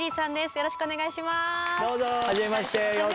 よろしくお願いします。